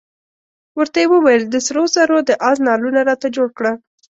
ورته یې وویل د سرو زرو د آس نعلونه راته جوړ کړه.